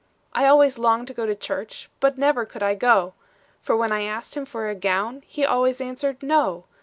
"'I always longed to go to church, But never could I go; For when I asked him for a gown, He always answered, "No.